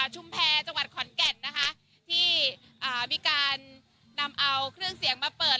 ชุมแพรจังหวัดขอนแก่นนะคะที่มีการนำเอาเครื่องเสียงมาเปิด